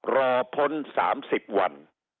รอพ้น๓๐วัน